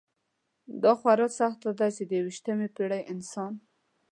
دا خورا سخته ده چې د یویشتمې پېړۍ انسان.